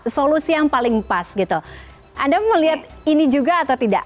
solusi yang paling pas gitu anda melihat ini juga atau tidak